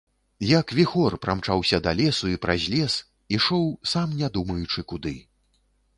Як віхор прамчаўся да лесу і праз лес, ішоў, сам не думаючы куды.